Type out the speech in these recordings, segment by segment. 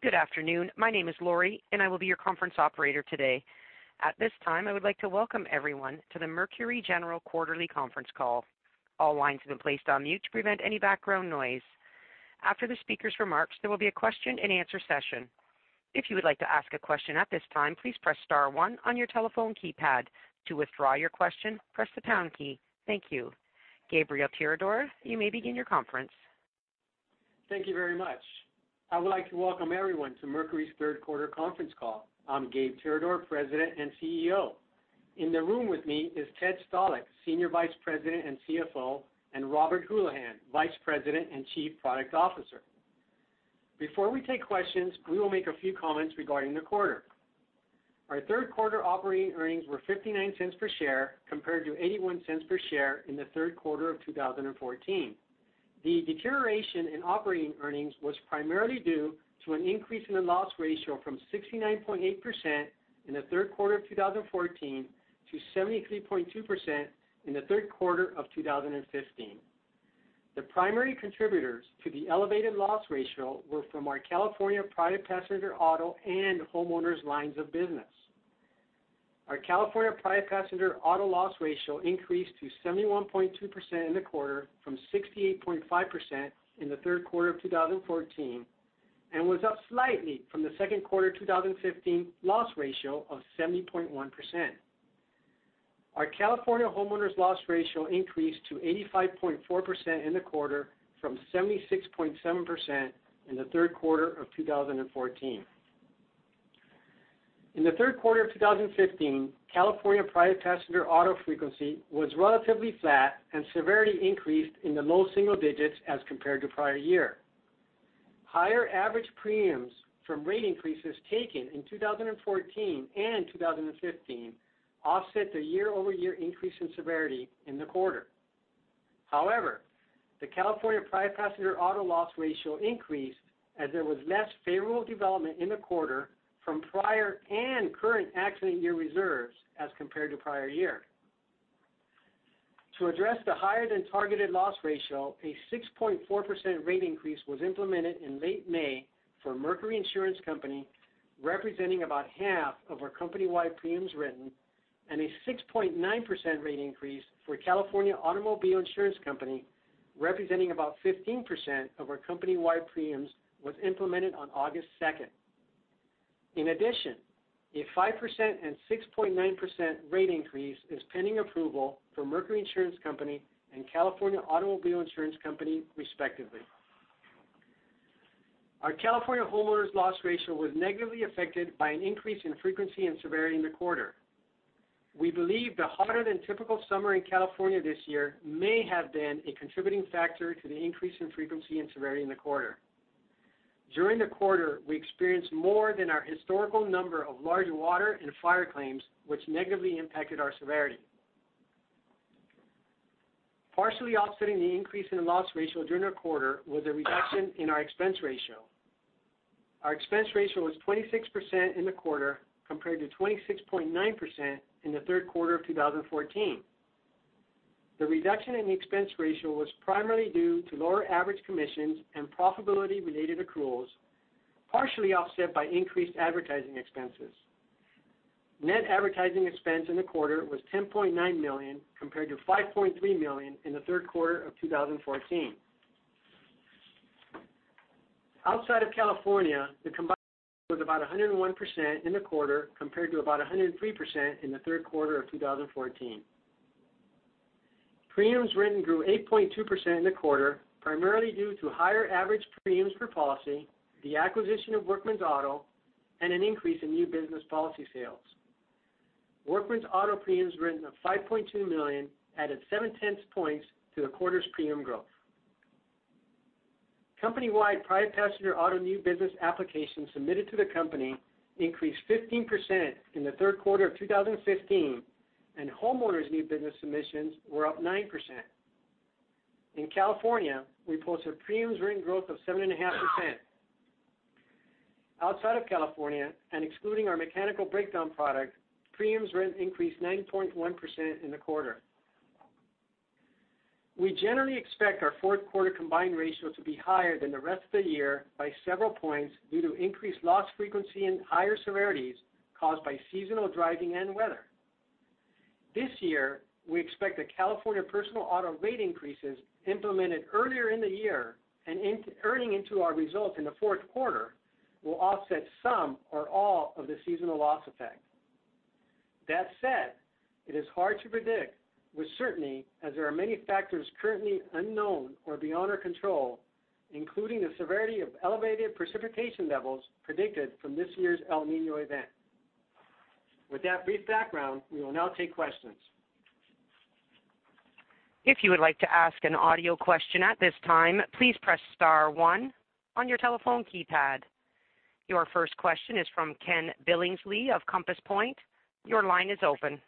Good afternoon. My name is Lori, and I will be your conference operator today. At this time, I would like to welcome everyone to the Mercury General quarterly conference call. All lines have been placed on mute to prevent any background noise. After the speaker's remarks, there will be a question and answer session. If you would like to ask a question at this time, please press star one on your telephone keypad. To withdraw your question, press the pound key. Thank you. Gabriel Tirador, you may begin your conference. Thank you very much. I would like to welcome everyone to Mercury's third quarter conference call. I'm Gabe Tirador, President and CEO. In the room with me is Ted Stalick, Senior Vice President and CFO, and Robert Houlihan, Vice President and Chief Product Officer. Before we take questions, we will make a few comments regarding the quarter. Our third quarter operating earnings were $0.59 per share, compared to $0.81 per share in the third quarter of 2014. The deterioration in operating earnings was primarily due to an increase in the loss ratio from 69.8% in the third quarter of 2014 to 73.2% in the third quarter of 2015. The primary contributors to the elevated loss ratio were from our California private passenger auto and homeowners lines of business. Our California private passenger auto loss ratio increased to 71.2% in the quarter from 68.5% in the third quarter of 2014, and was up slightly from the second quarter 2015 loss ratio of 70.1%. Our California homeowners loss ratio increased to 85.4% in the quarter from 76.7% in the third quarter of 2014. In the third quarter of 2015, California private passenger auto frequency was relatively flat and severity increased in the low single digits as compared to prior year. Higher average premiums from rate increases taken in 2014 and 2015 offset the year-over-year increase in severity in the quarter. However, the California private passenger auto loss ratio increased as there was less favorable development in the quarter from prior and current accident year reserves as compared to prior year. To address the higher than targeted loss ratio, a 6.4% rate increase was implemented in late May for Mercury Insurance Company, representing about half of our company-wide premiums written, and a 6.9% rate increase for California Automobile Insurance Company, representing about 15% of our company-wide premiums, was implemented on August 2nd. In addition, a 5% and 6.9% rate increase is pending approval for Mercury Insurance Company and California Automobile Insurance Company, respectively. Our California homeowners' loss ratio was negatively affected by an increase in frequency and severity in the quarter. We believe the hotter than typical summer in California this year may have been a contributing factor to the increase in frequency and severity in the quarter. During the quarter, we experienced more than our historical number of large water and fire claims, which negatively impacted our severity. Partially offsetting the increase in the loss ratio during the quarter was a reduction in our expense ratio. Our expense ratio was 26% in the quarter, compared to 26.9% in the third quarter of 2014. The reduction in the expense ratio was primarily due to lower average commissions and profitability-related accruals, partially offset by increased advertising expenses. Net advertising expense in the quarter was $10.9 million, compared to $5.3 million in the third quarter of 2014. Outside of California, the combined was about 101% in the quarter, compared to about 103% in the third quarter of 2014. Premiums written grew 8.2% in the quarter, primarily due to higher average premiums per policy, the acquisition of Workmen's Auto, and an increase in new business policy sales. Workmen's Auto premiums written of $5.2 million added seven-tenths points to the quarter's premium growth. Company-wide private passenger auto new business applications submitted to the company increased 15% in the third quarter of 2015, and homeowners' new business submissions were up 9%. In California, we posted premiums written growth of 7.5%. Outside of California and excluding our Mechanical Breakdown Protection product, premiums written increased 90.1% in the quarter. We generally expect our fourth quarter combined ratio to be higher than the rest of the year by several points due to increased loss frequency and higher severities caused by seasonal driving and weather. This year, we expect the California personal auto rate increases implemented earlier in the year and earning into our results in the fourth quarter will offset some or all of the seasonal loss effect. That said, it is hard to predict with certainty as there are many factors currently unknown or beyond our control, including the severity of elevated precipitation levels predicted from this year's El Niño event. With that brief background, we will now take questions. If you would like to ask an audio question at this time, please press star one on your telephone keypad. Your first question is from Ken Billingsley of Compass Point. Your line is open.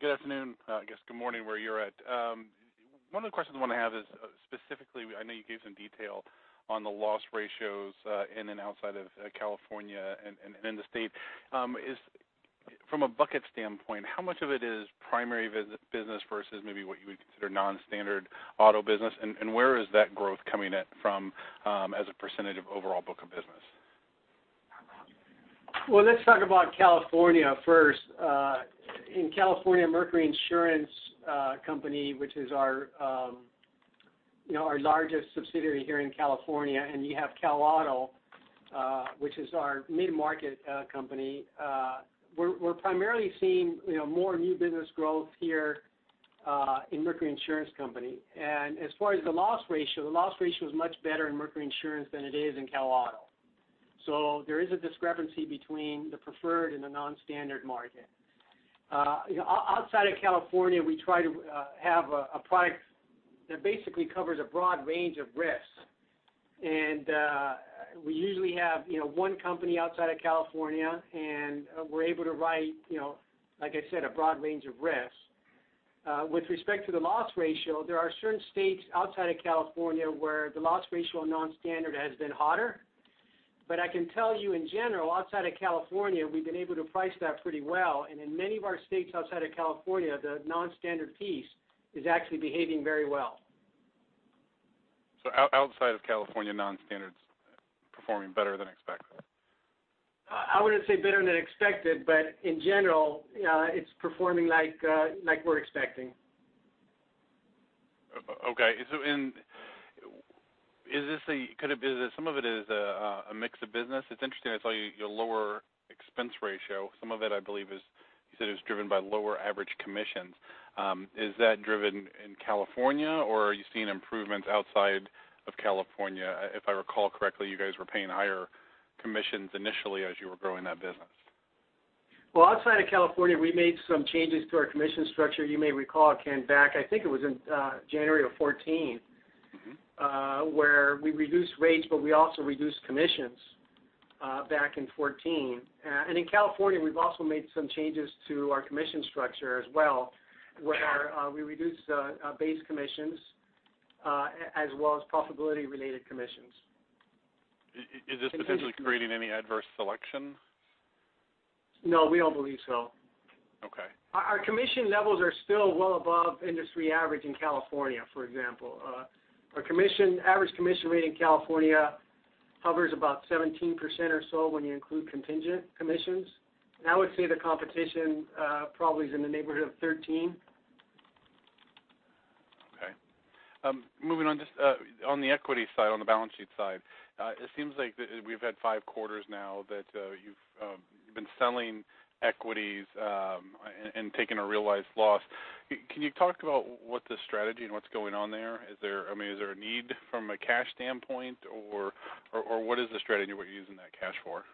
Good afternoon. I guess good morning where you're at. One of the questions I want to ask is specifically, I know you gave some detail on the loss ratios in and outside of California and in the state. From a bucket standpoint, how much of it is primary business versus maybe what you would consider non-standard auto business? Where is that growth coming in from as a percentage of overall book of business? Well, let's talk about California first. In California, Mercury Insurance Company, which is our largest subsidiary here in California, you have Cal Auto, which is our mid-market company. We're primarily seeing more new business growth here in Mercury Insurance Company. As far as the loss ratio, the loss ratio is much better in Mercury Insurance than it is in Cal Auto. There is a discrepancy between the preferred and the non-standard market. Outside of California, we try to have a product that basically covers a broad range of risks. We usually have one company outside of California, and we're able to write, like I said, a broad range of risks. With respect to the loss ratio, there are certain states outside of California where the loss ratio on non-standard has been hotter. I can tell you in general, outside of California, we've been able to price that pretty well. In many of our states outside of California, the non-standard piece is actually behaving very well. Outside of California, non-standard's performing better than expected. I wouldn't say better than expected, but in general, it's performing like we're expecting. Okay. Some of it is a mix of business. It's interesting, I saw your lower expense ratio. Some of it, I believe you said is driven by lower average commissions. Is that driven in California or are you seeing improvements outside of California? If I recall correctly, you guys were paying higher commissions initially as you were growing that business. Well, outside of California, we made some changes to our commission structure. You may recall, Ken, back, I think it was in January of 2014. Where we reduced rates, but we also reduced commissions back in 2014. In California, we've also made some changes to our commission structure as well, where we reduced base commissions as well as profitability-related commissions. Is this potentially creating any adverse selection? No, we don't believe so. Okay. Our commission levels are still well above industry average in California, for example. Our average commission rate in California hovers about 17% or so when you include contingent commissions. I would say the competition probably is in the neighborhood of 13%. Okay. Moving on, just on the equity side, on the balance sheet side. It seems like we've had five quarters now that you've been selling equities and taking a realized loss. Can you talk about what the strategy and what's going on there? Is there a need from a cash standpoint, or what is the strategy we're using that cash for?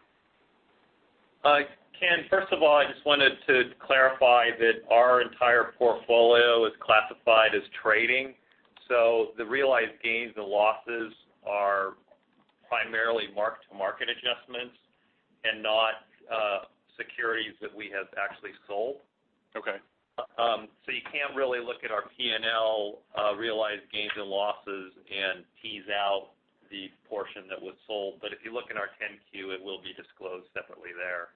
Ken, first of all, I just wanted to clarify that our entire portfolio is classified as trading. The realized gains and losses are primarily mark-to-market adjustments and not securities that we have actually sold. Okay. You can't really look at our P&L realized gains and losses and tease out the portion that was sold. If you look in our 10-Q, it will be disclosed separately there.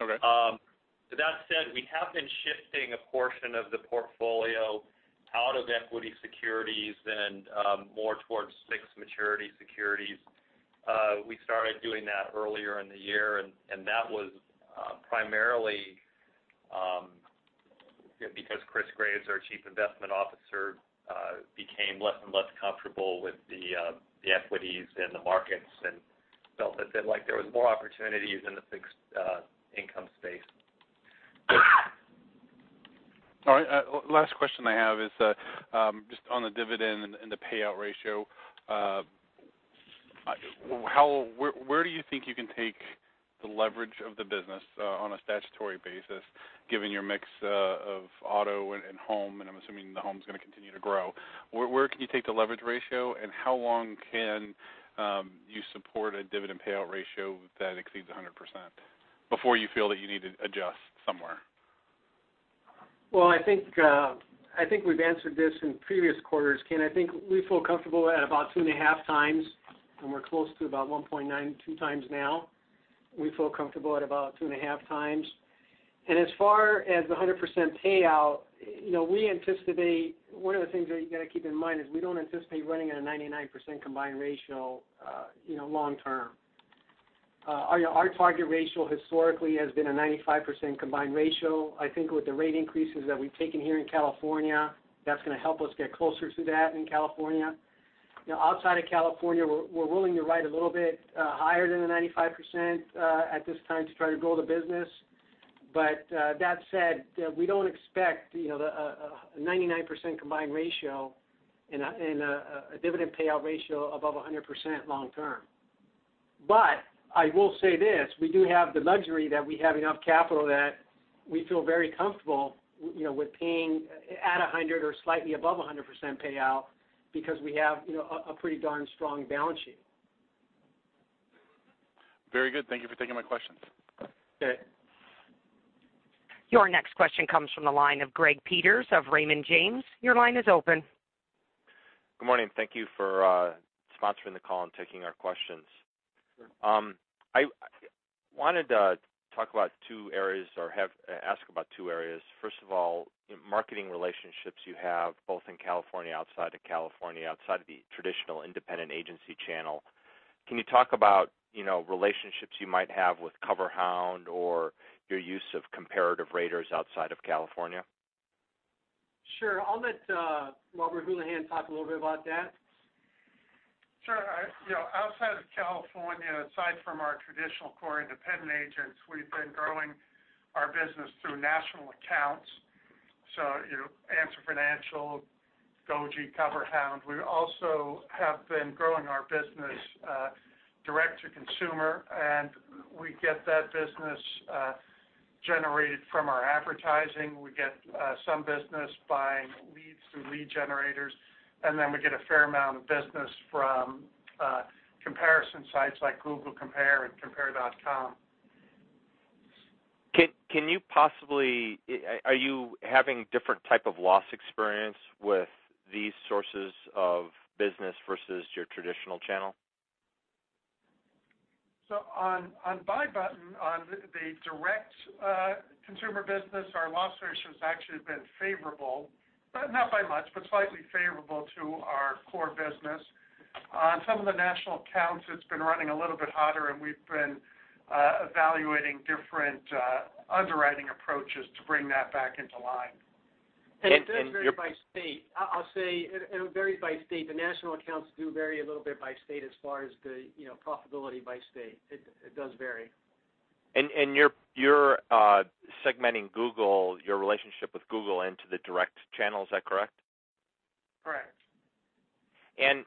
Okay. That said, we have been shifting a portion of the portfolio out of equity securities and more towards fixed maturity securities. We started doing that earlier in the year. That was primarily because Christopher Graves, our Chief Investment Officer, became less and less comfortable with the equities and the markets and felt that there was more opportunities in the fixed income space. All right. Last question I have is just on the dividend and the payout ratio. Where do you think you can take the leverage of the business on a statutory basis, given your mix of auto and home, and I'm assuming the home's going to continue to grow? Where can you take the leverage ratio and how long can you support a dividend payout ratio that exceeds 100% before you feel that you need to adjust somewhere? Well, I think we've answered this in previous quarters, Ken. I think we feel comfortable at about two and a half times, and we're close to about 1.92 times now. We feel comfortable at about two and a half times. As far as the 100% payout, one of the things that you got to keep in mind is we don't anticipate running at a 99% combined ratio long term. Our target ratio historically has been a 95% combined ratio. I think with the rate increases that we've taken here in California, that's going to help us get closer to that in California. Outside of California, we're willing to ride a little bit higher than the 95% at this time to try to grow the business. That said, we don't expect a 99% combined ratio and a dividend payout ratio above 100% long term. I will say this, we do have the luxury that we have enough capital that we feel very comfortable with paying at 100% or slightly above 100% payout because we have a pretty darn strong balance sheet. Very good. Thank you for taking my questions. Okay. Your next question comes from the line of Greg Peters of Raymond James. Your line is open. Good morning. Thank you for sponsoring the call and taking our questions. Sure. I wanted to talk about two areas, or ask about two areas. First of all, marketing relationships you have both in California, outside of California, outside of the traditional independent agency channel. Can you talk about relationships you might have with CoverHound or your use of comparative raters outside of California? Sure. I'll let Robert Houlihan talk a little bit about that. Sure. Outside of California, aside from our traditional core independent agents, we've been growing our business through national accounts, so Answer Financial, Goji, CoverHound. We also have been growing our business direct to consumer, and we get that business generated from our advertising. We get some business buying leads through lead generators, and then we get a fair amount of business from comparison sites like Google Compare and compare.com. Are you having different type of loss experience with these sources of business versus your traditional channel? On Buy Button, on the direct consumer business, our loss ratio has actually been favorable, but not by much, but slightly favorable to our core business. On some of the national accounts, it's been running a little bit hotter, we've been evaluating different underwriting approaches to bring that back into line. It does vary by state. I'll say it varies by state. The national accounts do vary a little bit by state as far as the profitability by state. It does vary. You're segmenting your relationship with Google into the direct channel, is that correct? Correct. Can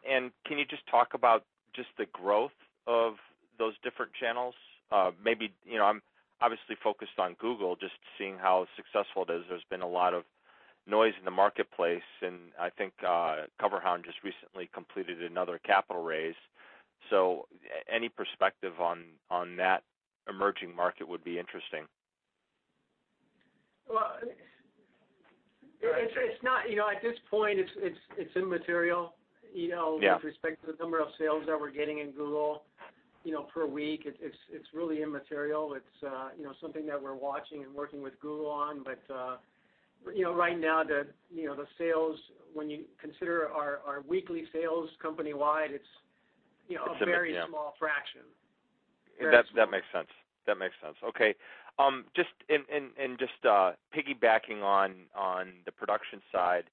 you just talk about the growth of those different channels? I'm obviously focused on Google, just seeing how successful it is. There's been a lot of noise in the marketplace, and I think CoverHound just recently completed another capital raise. Any perspective on that emerging market would be interesting. Well, at this point, it's immaterial. Yeah. With respect to the number of sales that we're getting in Google per week, it's really immaterial. It's something that we're watching and working with Google on, but right now, the sales, when you consider our weekly sales company-wide, it's a very small fraction. That makes sense. Okay. Just piggybacking on the production side,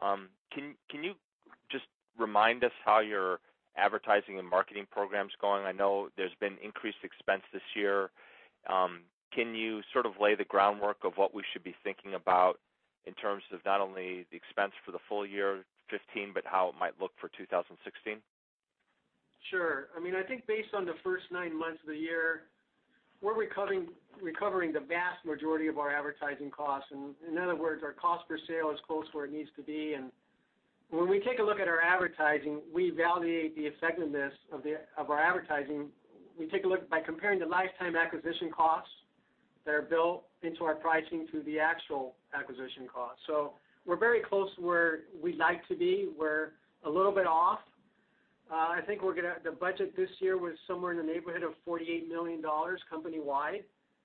can you just remind us how your advertising and marketing program's going? I know there's been increased expense this year. Can you sort of lay the groundwork of what we should be thinking about in terms of not only the expense for the full year 2015, but how it might look for 2016? Sure. I think based on the first nine months of the year, we're recovering the vast majority of our advertising costs. In other words, our cost per sale is close to where it needs to be. When we take a look at our advertising, we evaluate the effectiveness of our advertising. We take a look by comparing the lifetime acquisition costs that are built into our pricing to the actual acquisition cost. We're very close to where we'd like to be. We're a little bit off. The budget this year was somewhere in the neighborhood of $48 million company-wide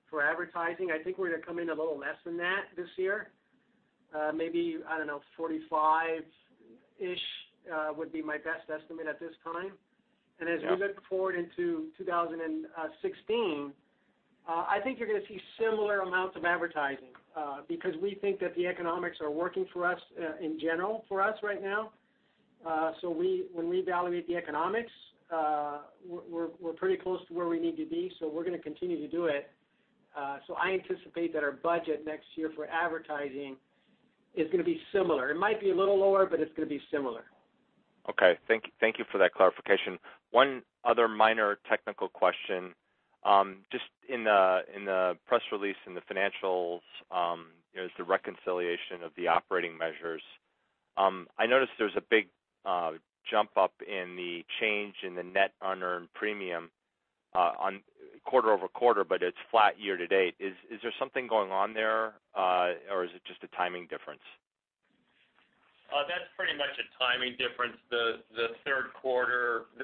for advertising. I think we're going to come in a little less than that this year. Maybe, I don't know, 45-ish would be my best estimate at this time. Yeah. As we look forward into 2016, I think you're going to see similar amounts of advertising, because we think that the economics are working for us in general for us right now. When we evaluate the economics, we're pretty close to where we need to be, so we're going to continue to do it. I anticipate that our budget next year for advertising is going to be similar. It might be a little lower, but it's going to be similar. Okay. Thank you for that clarification. One other minor technical question. Just in the press release, in the financials, there's the reconciliation of the operating measures. I noticed there's a big jump up in the change in the net unearned premium quarter-over-quarter, but it's flat year-to-date. Is there something going on there, or is it just a timing difference? That's pretty much a timing difference.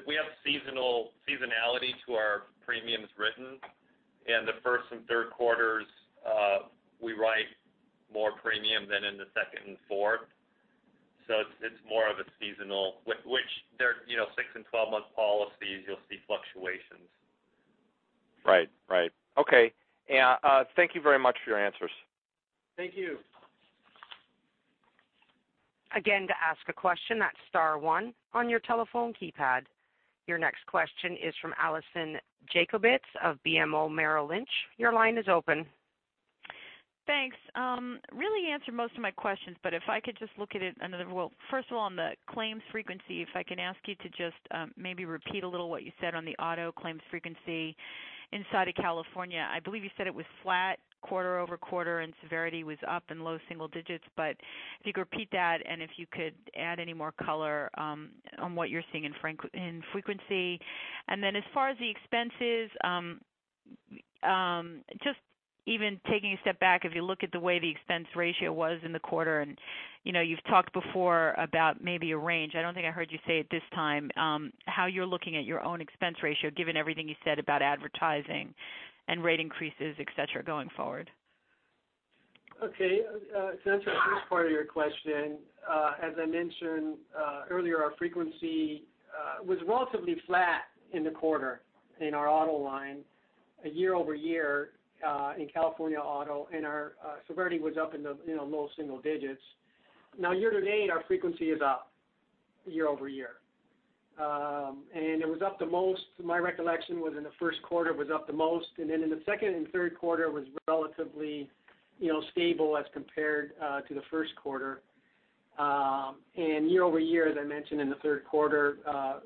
We have seasonality to our premiums written, the first and third quarters, we write more premium than in the second and fourth. It's more of a seasonal. With six and 12-month policies, you'll see fluctuations. Right. Okay. Thank you very much for your answers. Thank you. Again, to ask a question, that's star one on your telephone keypad. Your next question is from Allison Jacobitz of BMO Merrill Lynch. Your line is open. Thanks. Really answered most of my questions, but if I could just look at it another way. First of all, on the claims frequency, if I can ask you to just maybe repeat a little what you said on the auto claims frequency inside of California. I believe you said it was flat quarter-over-quarter, and severity was up in low single digits, but if you could repeat that and if you could add any more color on what you're seeing in frequency. As far as the expenses. Just even taking a step back, if you look at the way the expense ratio was in the quarter, and you've talked before about maybe a range. I don't think I heard you say it this time, how you're looking at your own expense ratio, given everything you said about advertising and rate increases, et cetera, going forward. Okay. To answer the first part of your question, as I mentioned earlier, our frequency was relatively flat in the quarter in our auto line year over year in California auto, and our severity was up in the low single digits. Year-to-date, our frequency is up year over year. It was up the most, to my recollection, was in the first quarter was up the most, and then in the second and third quarter was relatively stable as compared to the first quarter. Year over year, as I mentioned in the third quarter,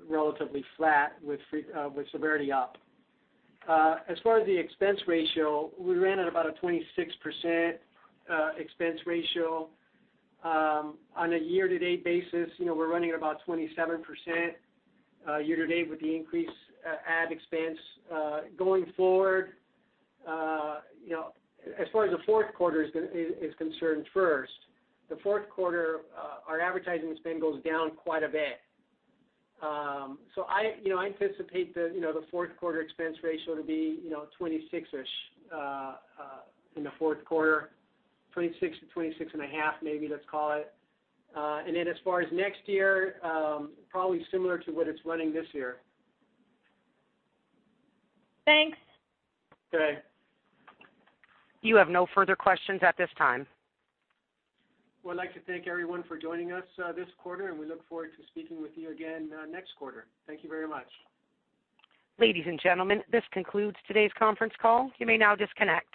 relatively flat with severity up. As far as the expense ratio, we ran at about a 26% expense ratio. On a year-to-date basis, we're running at about 27% year to date with the increased ad expense. Going forward, as far as the fourth quarter is concerned first, the fourth quarter, our advertising spend goes down quite a bit. I anticipate the fourth quarter expense ratio to be 26-ish in the fourth quarter, 26 to 26 and a half, maybe let's call it. As far as next year, probably similar to what it's running this year. Thanks. Okay. You have no further questions at this time. I'd like to thank everyone for joining us this quarter, and we look forward to speaking with you again next quarter. Thank you very much. Ladies and gentlemen, this concludes today's conference call. You may now disconnect.